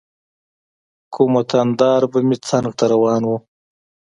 کوم وطن دار به مې څنګ ته روان و.